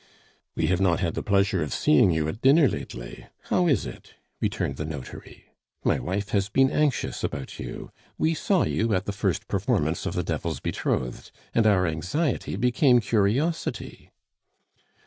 "We have not had the pleasure of seeing you at dinner lately; how is it?" returned the notary. "My wife has been anxious about you. We saw you at the first performance of The Devil's Betrothed, and our anxiety became curiosity?"